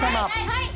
はい！